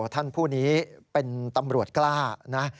ท่านผู้นี้เป็นตำรวจกล้านะ